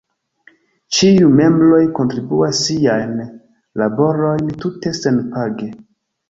Ĉiuj membroj kontribuas siajn laborojn tute senpage.